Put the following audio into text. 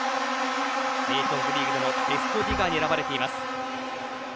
ネーションズリーグでもベストディガーに選ばれています。